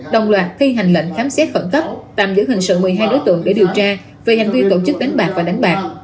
đồng loạt thi hành lệnh khám xét khẩn cấp tạm giữ hình sự một mươi hai đối tượng để điều tra về hành vi tổ chức đánh bạc và đánh bạc